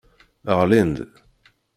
Ɣlin-d.